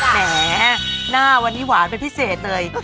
แหมหน้าวันนี้หวานเป็นพิเศษเลย